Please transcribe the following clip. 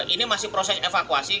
ini masih proses evakuasi